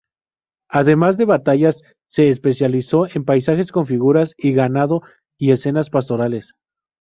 Además de batallas, se especializó en paisajes con figuras y ganado y escenas pastorales.